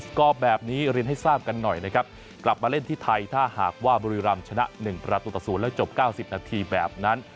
ก็แบบนี้เรียนให้ทราบกันหน่อยนะครับกลับมาเล่นที่ไทยถ้าหากว่าบุรีรำชนะ๑ประตูต่อ๐แล้วจบ๙๐นาทีแบบนั้น